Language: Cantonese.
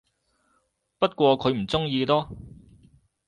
不過佢唔鍾意囉